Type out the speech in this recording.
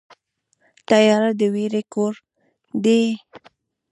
تیاره د وېرې کور دی.